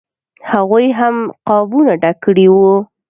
هغوی هم قابونه ډک کړي وو.